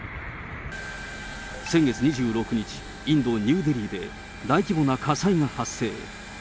先月２６日、インド・ニューデリーで、大規模な火災が発生。